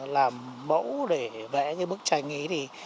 làm mẫu để vẽ cái bức tranh ấy